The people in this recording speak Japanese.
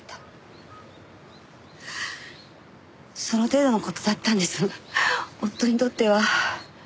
その程度の事だったんです夫にとっては。